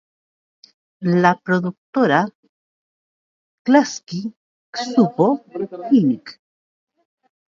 La productora "Klasky-Csupo, Inc.